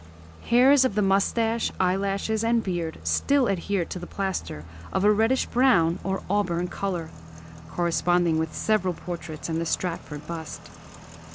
Hairs of the moustache, eyelashes, and beard still adhere to the plaster, of a reddish brown or auburn colour, corresponding with several portraits and the Stratford bust....